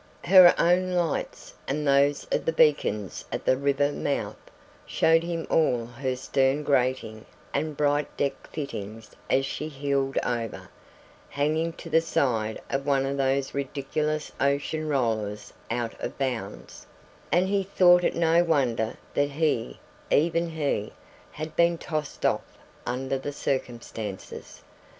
Her own lights, and those of the beacons at the river mouth, showed him all her stern grating and bright deck fittings as she heeled over, hanging to the side of one of those ridiculous ocean rollers out of bounds; and he thought it no wonder that he even he had been tossed off under the circumstances.